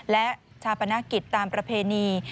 และชาปนกิจตามประเพณี